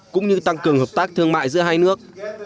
cũng như tăng cường hợp tác thương mại giữa hai nước